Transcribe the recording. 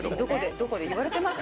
どこでいわれてます？